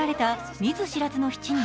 見ず知らずの７人。